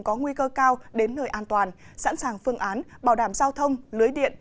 có nguy cơ cao đến nơi an toàn sẵn sàng phương án bảo đảm giao thông lưới điện